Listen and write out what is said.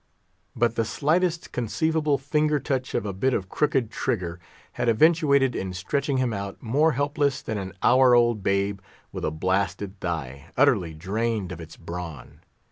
But the slightest conceivable finger touch of a bit of crooked trigger had eventuated in stretching him out, more helpless than an hour old babe, with a blasted thigh, utterly drained of its brawn.